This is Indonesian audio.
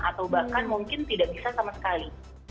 atau bahkan mungkin tidak bisa sama sekali